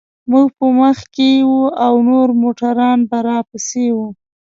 موږ به مخکې وو او نور موټران به راپسې و.